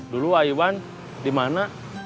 dulu aywan di mana